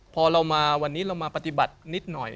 พอเรามาวันนี้เรามาปฏิบัตินิดหน่อย